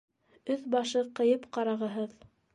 Өҫ-башы ҡыйып ҡарағыһыҙ.